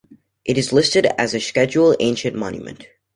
It is listed as a Scheduled Ancient Monument.